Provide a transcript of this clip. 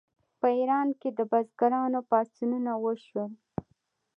په ایران کې د بزګرانو پاڅونونه وشول.